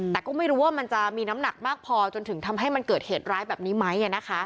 แต่ก็ไม่รู้ว่ามันจะมีน้ำหนักมากพอจนถึงทำให้มันเกิดเหตุร้ายแบบนี้ไหม